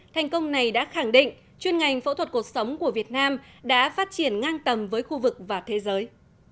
thành công này đã khẳng định chuyên ngành phẫu thuật cuộc sống của việt nam đã phát triển ngang tầm với khu vực và thế giới